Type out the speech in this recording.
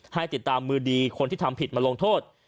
ให้ติดตามมือดีคนที่ทำผิดมาลงโทษ